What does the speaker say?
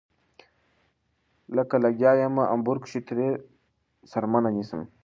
لکه لګيا يمه امبور کښې ترې څرمنه نيسم